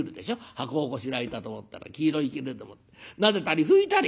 箱をこしらえたと思ったら黄色いきれでもってなでたり拭いたり」。